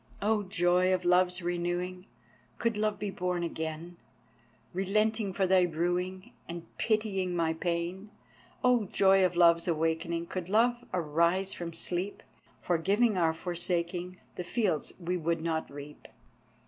O joy of Love's renewing, Could Love be born again; Relenting for thy rueing, And pitying my pain: O joy of Love's awaking, Could Love arise from sleep, Forgiving our forsaking The fields we would not reap!